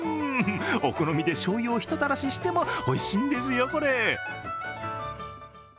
お好みでしょうゆをひとたらししてもおいしいんですよ、これ。